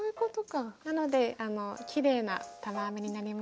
なのできれいな玉編みになります。